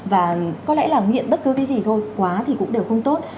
và có lẽ là nghiện bất cứ cái gì thôi quá thì cũng đều không tốt